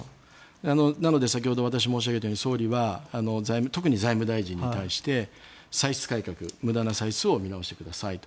なので、先ほど私、申し上げたように総理は特に財務大臣に対して歳出改革、無駄な歳出を見直してくださいと。